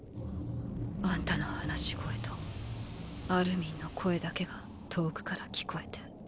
あんたの話し声とアルミンの声だけが遠くから聞こえて。